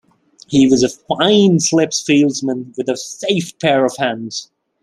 He was a fine slips fieldsman with a safe pair of hands.